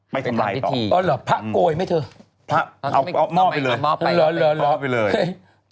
ไปทำพิธีอ๋อเหรอพระโกยไหมเถอะเอาหม้อไปเลยเหรอ